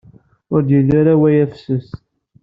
Ur d-yelli ara waya fessus.